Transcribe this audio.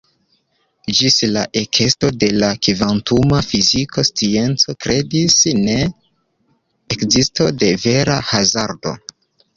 Ĝis la ekesto de la kvantuma fiziko scienco kredis je ne-ekzisto de vera hazardo.